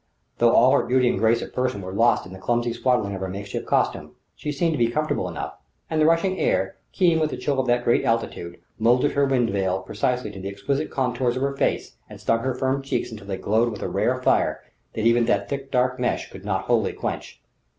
Though all her beauty and grace of person were lost in the clumsy swaddling of her makeshift costume, she seemed to be comfortable enough; and the rushing air, keen with the chill of that great altitude, moulded her wind veil precisely to the exquisite contours of her face and stung her firm cheeks until they glowed with a rare fire that even that thick dark mesh could not wholly quench.